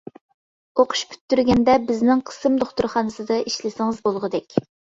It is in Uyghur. ئوقۇش پۈتتۈرگەندە بىزنىڭ قىسىم دوختۇرخانىسىدا ئىشلىسىڭىز بولغۇدەك.